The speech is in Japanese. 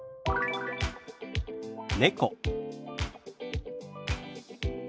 「猫」。